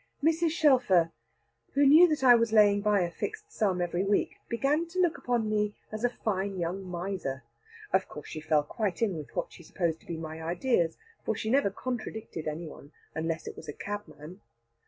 Mrs. Shelfer, who knew that I was laying by a fixed sum every week, began to look upon me as a fine young miser. Of course she quite fell in with what she supposed to be my ideas, for she never contradicted any one, unless it was a cabman.